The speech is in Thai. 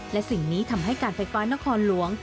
และสิ่งนี้ทำให้การไฟฟ้านครหลวง